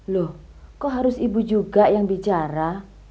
loh kok harus ibu juga yang bicara